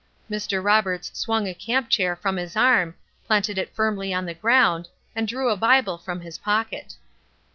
Mr. Roberts swung a camp chair from his arm, planted it firmly in the ground, and drew a Bible from his pocket.